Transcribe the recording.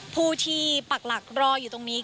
ผู้ที่ปักหลักรออยู่ตรงนี้